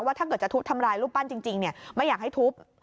ถ้าเกิดจะทุบทำลายรูปปั้นจริงไม่อยากให้ทุบ